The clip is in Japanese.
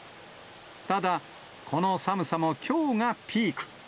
ただ、この寒さもきょうがピーク。